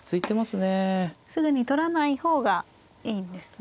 すぐに取らない方がいいんですね。